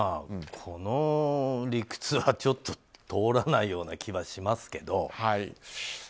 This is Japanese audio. この理屈はちょっと通らない気はしますけど。